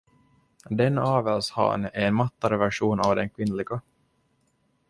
Den avelshane är en mattare version av den kvinnliga.